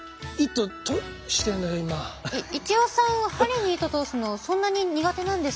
一葉さん針に糸通すのそんなに苦手なんですか？